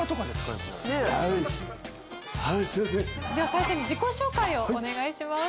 最初に自己紹介をお願いします。